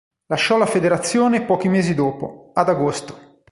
Lasciò la federazione pochi mesi dopo, ad agosto.